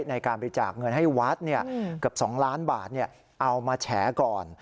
ในการบริจาคเงินให้วัดเกือบ๒ล้านบาทเอามาแฉก่อน